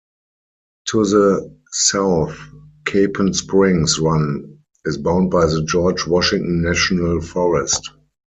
To the south, Capon Springs Run is bound by the George Washington National Forest.